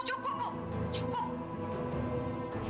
cukup bu cukup